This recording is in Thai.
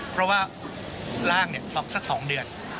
เพราะว่าร่างสัก๒เดือน